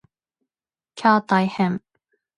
きゃー大変！